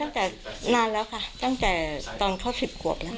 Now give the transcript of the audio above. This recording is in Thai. จากนานแล้วค่ะตั้งแต่ตอนเขา๑๐ขวบแล้ว